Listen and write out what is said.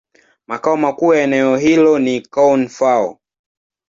Makao makuu ya eneo hilo ni Koun-Fao.